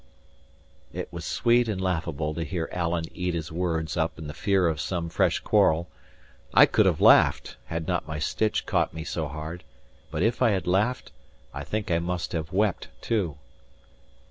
It was sweet and laughable to hear Alan eat his words up in the fear of some fresh quarrel. I could have laughed, had not my stitch caught me so hard; but if I had laughed, I think I must have wept too.